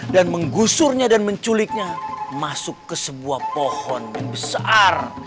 menggusurnya dan menculiknya masuk ke sebuah pohon yang besar